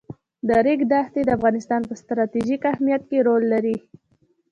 د ریګ دښتې د افغانستان په ستراتیژیک اهمیت کې رول لري.